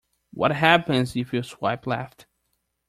What happens if you swipe left?